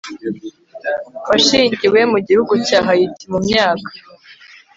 washingiwe mu gihugu cya hayiti mu myaka